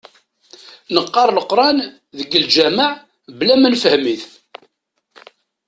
Neqqar leqran deg lǧamaɛ mebla ma nefhem-it.